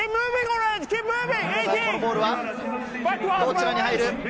このボールはどちらに入る？